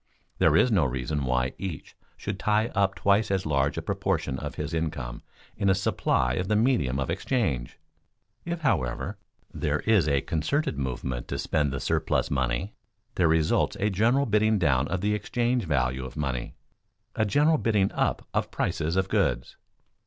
There is no reason why each should tie up twice as large a proportion of his income in a supply of the medium of exchange. If, however, there is a concerted movement to spend the surplus money, there results a general bidding down of the exchange value of money, a general bidding up of prices of goods.